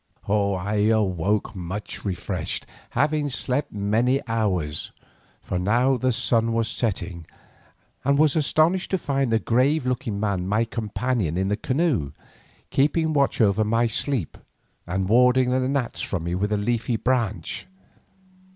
I awoke much refreshed, having slept many hours, for now the sun was setting, and was astonished to find the grave looking man my companion in the canoe, keeping watch over my sleep and warding the gnats from me with a leafy branch.